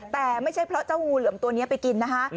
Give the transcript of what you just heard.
แต่ไม่ใช่เพราะเจ้างูเหลือมตัวนี้ไปกินนะคะ